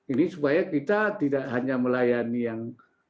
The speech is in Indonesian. ini supaya kita tidak hanya melayani yang